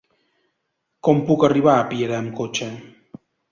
Com puc arribar a Piera amb cotxe?